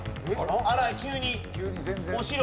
あら急にお城が。